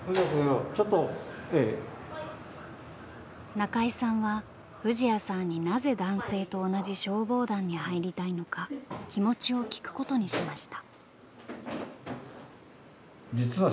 中井さんは藤彌さんになぜ男性と同じ消防団に入りたいのか気持ちを聞くことにしました。